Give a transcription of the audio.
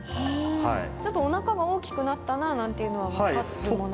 ちょっとおなかが大きくなったななんていうのは分かるものですか？